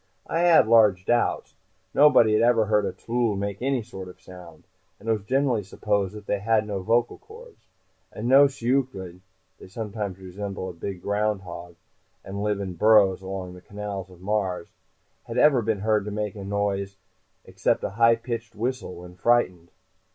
_ I had large doubts. Nobody had ever heard a tllooll make any sort of a sound, and it was generally supposed that they had no vocal chords. And no shiyooch'iid (they somewhat resemble a big groundhog, and live in burrows along the canals of Mars) had ever been heard to make any noise except a high pitched whistle when frightened.